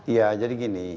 ya jadi gini